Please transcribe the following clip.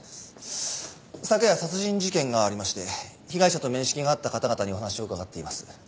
昨夜殺人事件がありまして被害者と面識があった方々にお話を伺っています。